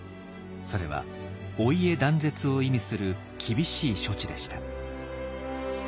それはお家断絶を意味する厳しい処置でした。